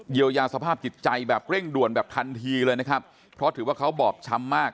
เยียวยาสภาพจิตใจแบบเร่งด่วนแบบทันทีเลยนะครับเพราะถือว่าเขาบอบช้ำมาก